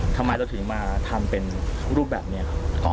ทำไมเราถึงมาทำเป็นรูปแบบนี้